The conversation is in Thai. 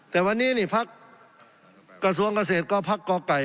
แต่วันนี้นี่พักกระทรวงเกษตรก็พักก่อไก่